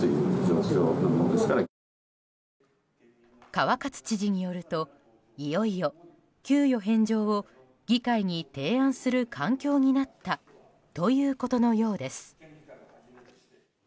川勝知事によるといよいよ給与返上を議会に提案する環境になったということのようです。